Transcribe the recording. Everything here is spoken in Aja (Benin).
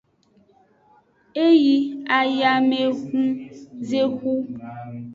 E yi ayamehunzexu.